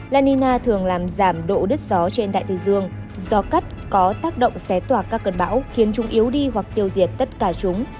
la nina thường làm giảm độ đứt gió trên đại thế dương gió cắt có tác động xé tỏa các cơn bão khiến chúng yếu đi hoặc tiêu diệt tất cả chúng